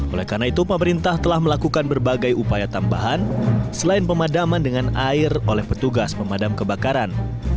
oleh karena itu pemerintah telah melakukan berbagai upaya tambahan selain pemadaman dengan air oleh petugas pemadam kebakaran